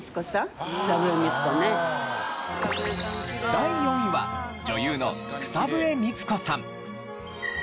第４位は女優の草笛光子さん。